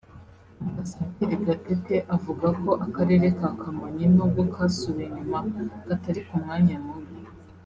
Ambasaderi Gatete avuga ko Akarere ka Kamonyi n’ubwo kasubiye inyuma katari ku mwanya mubi